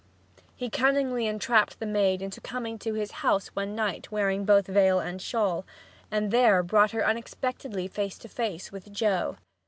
He cunningly entrapped the maid into coming to his house one night wearing both veil and shawl, and there brought her unexpectedly face to face with Joe.